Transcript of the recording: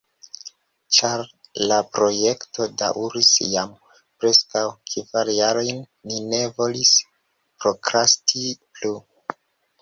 Ĉar la projekto daŭris jam preskaŭ kvar jarojn, ni ne volis prokrasti plu.